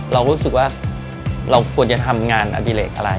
เรารู้สึกว่าเราควรจะทำงานอดิเลกอะไร